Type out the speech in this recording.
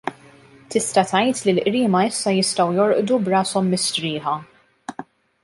Tista' tgħid li l-Qriema issa jistgħu jorqdu b'rashom mistrieħa.